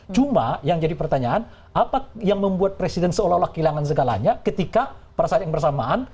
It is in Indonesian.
cuma yang jadi pertanyaan apa yang membuat presiden seolah olah kehilangan segalanya ketika pada saat yang bersamaan